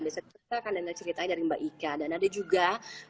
dan ada ceritanya dari mbak ika dan ada juga